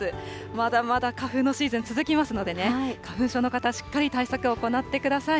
まだまだ花粉のシーズン続きますのでね、花粉症の方、しっかり対策を行ってください。